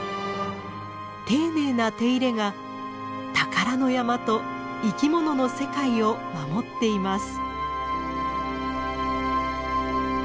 丁寧な手入れが宝の山と生きものの世界を守っています。